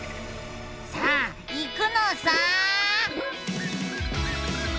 さあいくのさ！